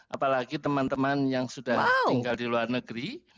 apalagi teman teman yang sudah tinggal di luar negeri